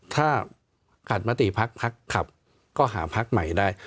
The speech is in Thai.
ถ้าขัดมติภักดิ์ภักดิ์ขับก็หาภักดิ์ใหม่ได้